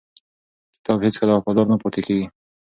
کتاب هیڅکله وفادار نه پاتې کېږي.